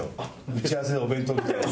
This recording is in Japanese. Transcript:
打ち合わせでお弁当出たの。